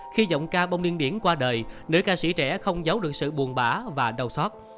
khi giọng ca bông niên biển qua đời nữ ca sĩ trẻ không giấu được sự buồn bã và đau xót